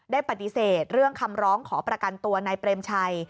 ได้ปฏิเสธเรื่องคำร้องขอประกันตัวนายเปรมชัย